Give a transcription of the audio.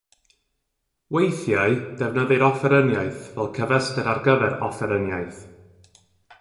Weithiau defnyddir offeryniaeth fel cyfystyr ar gyfer offeryniaeth.